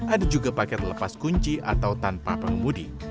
ada juga paket lepas kunci atau tanpa pengemudi